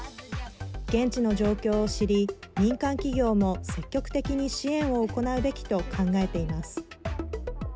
現地の状況を知り民間企業も積極的に支援を行うべきと考えています。